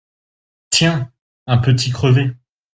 Tiens ! un petit crevé !